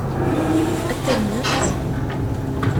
Ad t-tamnemt?